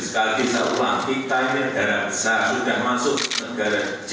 sekali lagi saya ulang kita ini negara besar sudah masuk negara g dua puluh